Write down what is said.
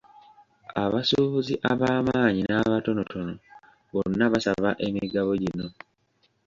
Abasuubuzi ab'amaanyi n'abatonotono bonna basaba emigabo gino.